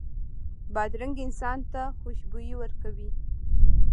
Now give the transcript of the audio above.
بادرنګ انسان ته خوشبويي ورکوي.